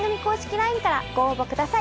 ＬＩＮＥからご応募ください。